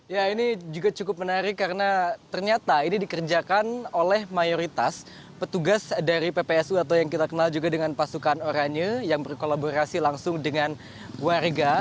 ya ini juga cukup menarik karena ternyata ini dikerjakan oleh mayoritas petugas dari ppsu atau yang kita kenal juga dengan pasukan oranye yang berkolaborasi langsung dengan warga